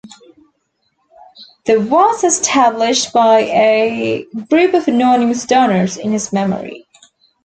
The was established by a group of anonymous donors in his memory.